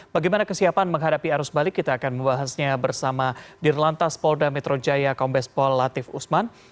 bagaimana kesiapan menghadapi arus balik kita akan membahasnya bersama dirlantas polda metro jaya kombes pol latif usman